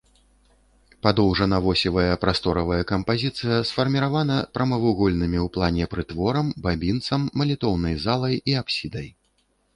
Падоўжана-восевая прасторавая кампазіцыя сфарміравана прамавугольнымі ў плане прытворам, бабінцам, малітоўнай залай і апсідай.